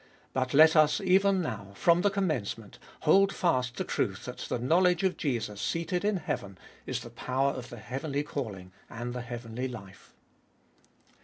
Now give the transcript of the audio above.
But let us even now, from the commencement, hold fast the truth that the knowledge of Jesus seated in heaven is the power of the heavenly calling and the heavenly life.